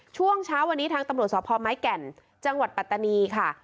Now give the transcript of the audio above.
ช่วงเช้าวันนี้ทางตำรวจสพไม้แก่นจังหวัดปัตตานีค่ะ